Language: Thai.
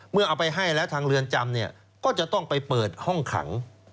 เอาไปให้แล้วทางเรือนจำเนี่ยก็จะต้องไปเปิดห้องขัง